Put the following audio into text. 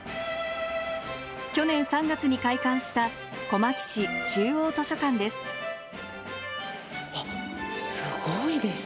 去年３月に開館した、小牧市中央図書館です。